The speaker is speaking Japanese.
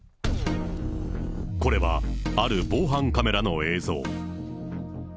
これはある防犯カメラの映像。